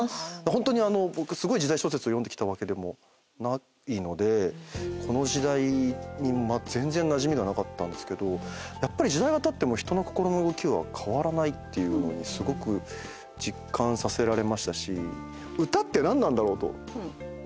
ホントに僕すごい時代小説を読んできたわけでもないのでこの時代に全然なじみがなかったんですけどやっぱり時代がたっても人の心の動きは変わらないっていうのにすごく実感させられましたし。と思ってたんです。